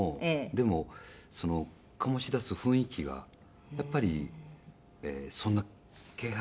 でも、醸し出す雰囲気がやっぱりそんな気配があったんですね。